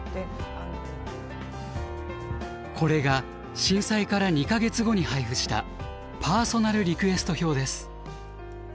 これが震災から２か月後に配布したパーソナルリクエスト票です。